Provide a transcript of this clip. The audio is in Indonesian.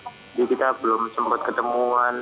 jadi kita belum sempat ketemuan